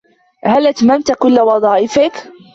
هل أتممت كل وظائفك ؟